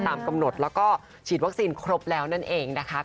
ตามกำหนดแล้วก็ฉีดวัคซีนครบแล้วนั่นเองนะคะ